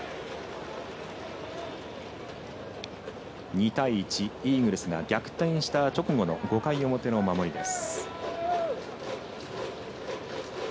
２対１イーグルスが逆転した直後の５回表の守りです。